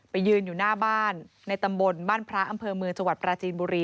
ยืนอยู่หน้าบ้านในตำบลบ้านพระอำเภอเมืองจังหวัดปราจีนบุรี